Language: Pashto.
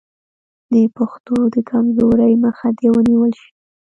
د پښتو د کمزورۍ مخه دې ونیول شي.